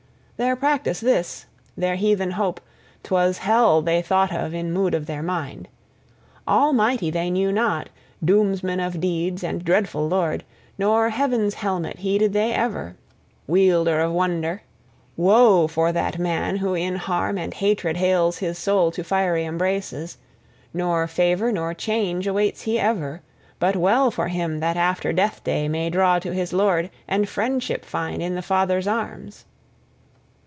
Their practice this, their heathen hope; 'twas Hell they thought of in mood of their mind. Almighty they knew not, Doomsman of Deeds and dreadful Lord, nor Heaven's Helmet heeded they ever, Wielder of Wonder. Woe for that man who in harm and hatred hales his soul to fiery embraces; nor favor nor change awaits he ever. But well for him that after death day may draw to his Lord, and friendship find in the Father's arms!